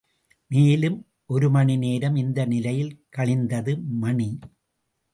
மேலும் ஒரு மணி நேரம் இந்த நிலையில் கழிந்தது மணி.